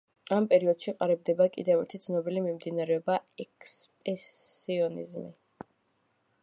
ამ პერიოდში ყალიბდება კიდევ ერთი ცნობილი მიმდინარეობა ექსპრესიონიზმი.